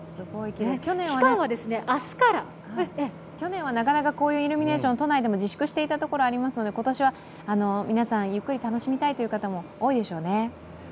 去年はこういうイルミネーション、都内でも自粛していたところもありますので、今年は皆さん、ゆっくり楽しみたいという方も多いでしょうね。